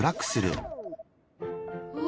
うわ！